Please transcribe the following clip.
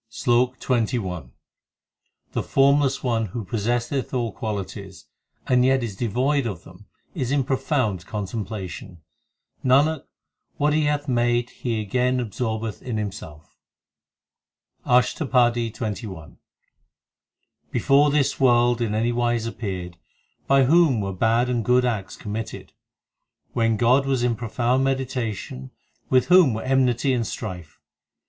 SLOK XXI The Formless One who possesseth all qualities, and yet is devoid of them is in profound contemplation ; Nanak, what He hath made He again absorbeth in Him self. ASHTAPADI XXI x i Before this world in any wise appeared, By whom were bad and good acts committed ? When God was in profound meditation, With whom were enmity and strife ?